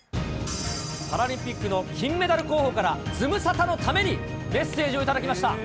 パラリンピックの金メダル候補からズムサタのためにメッセージを頂きました。